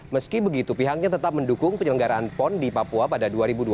meski begitu pihaknya tetap mendukung penyelenggaraan pon di papua pada dua ribu dua puluh